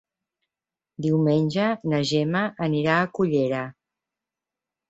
Diumenge na Gemma anirà a Cullera.